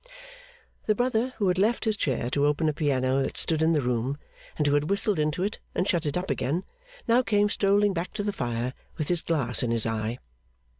The brother, who had left his chair to open a piano that stood in the room, and who had whistled into it and shut it up again, now came strolling back to the fire with his glass in his eye.